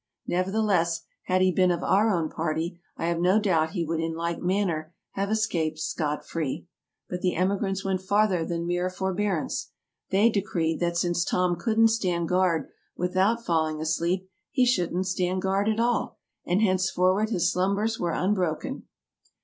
Nevertheless, had he been of our own party, I have no doubt he would in like manner have escaped scot free. But the emigrants went farther than mere forbearance; they decreed that since Tom couldn't stand guard without falling asleep, he shouldn't stand guard at all, and henceforward his slumbers were un broken.